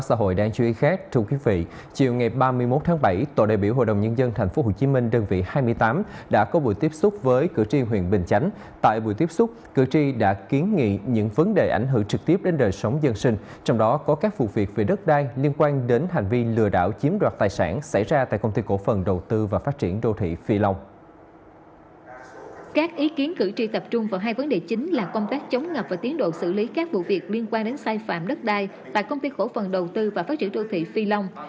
các ý kiến cử tri tập trung vào hai vấn đề chính là công tác chống ngập và tiến độ xử lý các vụ việc liên quan đến sai phạm đất đai tại công ty khổ phần đầu tư và phát triển đô thị phi long